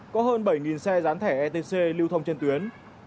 có hơn bảy xe rán thẻ etc lưu thông trên tuyến